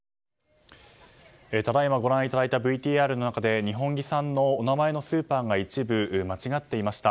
ただいまご覧いただいたＶＴＲの中で二本樹さんのお名前のスーパーが一部、間違っていました。